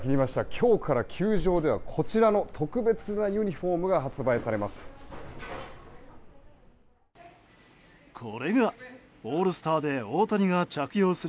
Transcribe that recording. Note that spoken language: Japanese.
今日から球場ではこちらの特別なユニホームが発売されます。